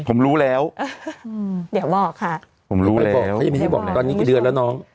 ผมรู้แล้วเดี๋ยวบอกค่ะผมรู้แล้วไม่ให้บอกไม่ให้บอกแต่ตอนนี้กี่เดือนแล้วน้อง